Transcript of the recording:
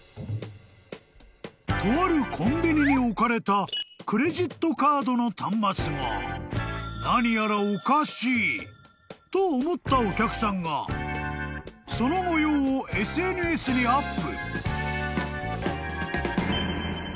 ［とあるコンビニに置かれたクレジットカードの端末が何やらおかしいと思ったお客さんがその模様をＳＮＳにアップ］